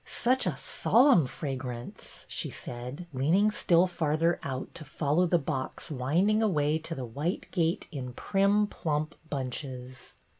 Such a solemn fragrance," she said, leaning still farther out to follow the box winding away to the white gate in prim, plump bunches.